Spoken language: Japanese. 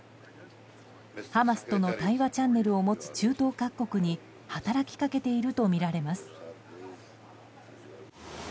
ハマスとの対話チャンネルを持つ中東各国に働きかけているとみられます。